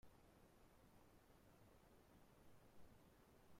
Hubo versiones en varias lenguas.